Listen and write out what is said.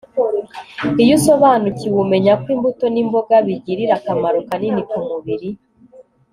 iyo usobanukiwe umenya ko imbuto n'imboga bigirira akamaro kanini kumubiri